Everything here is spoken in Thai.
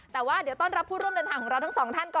แต่ว่าเดี๋ยวต้อนรับผู้ร่วมเดินทางของเราทั้งสองท่านก่อน